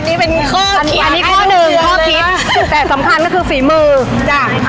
นี่เป็นข้อคิดอันนี้ข้อหนึ่งข้อคิดแต่สำคัญก็คือฝีมือจ้ะ